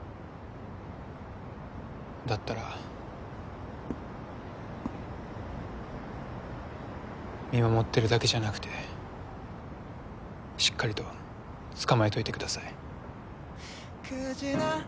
だったら見守ってるだけじゃなくてしっかりと捕まえといてください